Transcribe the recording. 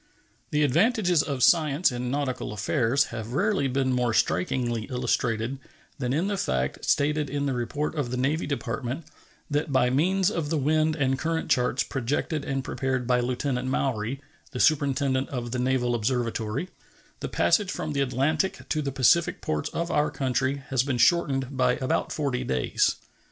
The advantages of science in nautical affairs have rarely been more strikingly illustrated than in the fact, stated in the report of the Navy Department, that by means of the wind and current charts projected and prepared by Lieutenant Maury, the Superintendent of the Naval Observatory, the passage from the Atlantic to the Pacific ports of our country has been shortened by about forty days.